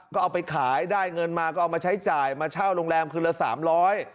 ก็เอาไปขายได้เงินมาก็เอามาใช้จ่ายมาเช่าโรงแรมคืนละสามร้อย